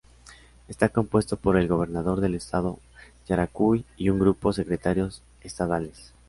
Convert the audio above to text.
Está compuesto por el Gobernador del Estado Yaracuy y un grupo Secretarios Estadales.